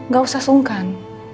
gak usah sungkan